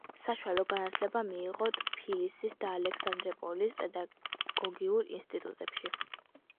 საშუალო განათლება მიიღო ტფილისის და ალექსანდროპოლის პედაგოგიურ ინსტიტუტებში.